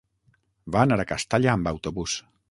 Va anar a Castalla amb autobús.